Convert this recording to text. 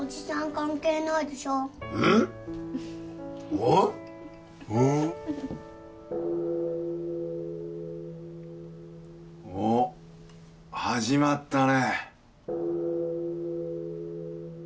おッ始まったね